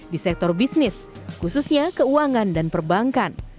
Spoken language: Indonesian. di sektor bisnis khususnya keuangan dan perbankan